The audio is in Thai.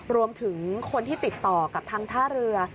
รวมถึงคนที่ติดต่อกับทางท่าเรือ